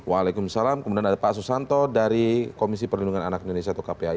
waalaikumsalam kemudian ada pak susanto dari komisi perlindungan anak indonesia atau kpai